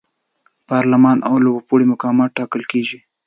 پارلمان او لوړپوړي مقامات ټاکل کیږي.